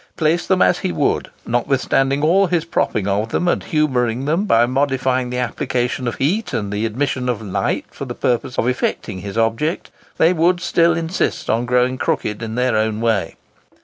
Place them as he would, notwithstanding all his propping of them, and humouring them by modifying the application of heat and the admission of light for the purpose of effecting his object, they would still insist on growing crooked in their own way.